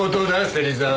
芹沢。